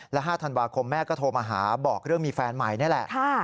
และ๕ธันวาคมแม่ก็โทรมาหาบอกเรื่องมีแฟนใหม่นี่แหละ